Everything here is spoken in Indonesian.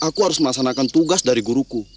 aku harus melaksanakan tugas dari guruku